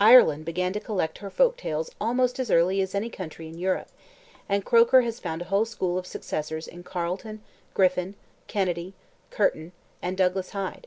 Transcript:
Ireland began to collect her folk tales almost as early as any country in Europe, and Croker has found a whole school of successors in Carleton, Griffin, Kennedy, Curtin, and Douglas Hyde.